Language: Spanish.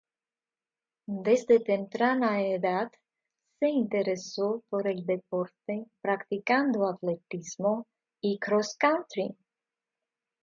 Desde temprana edad se interesó por el deporte, practicando atletismo y crosscountry.